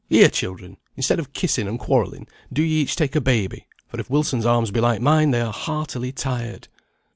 "Here, children, instead o' kissing and quarrelling, do ye each take a baby, for if Wilson's arms be like mine they are heartily tired."